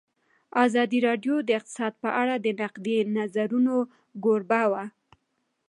ازادي راډیو د اقتصاد په اړه د نقدي نظرونو کوربه وه.